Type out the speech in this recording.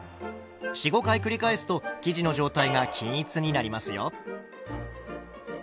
４５回繰り返すと生地の状態が均一になりますよ。